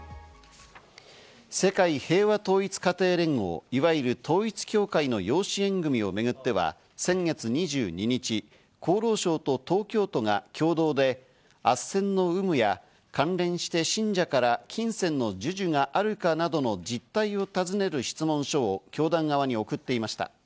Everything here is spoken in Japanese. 世界平和統一家庭連合、いわゆる統一教会の養子縁組をめぐっては先月２２日、厚労省と東京都が共同で、あっせんの有無や関連して信者から金銭の授受があるかなどの実態を尋ねる質問書を教団側に送っていました。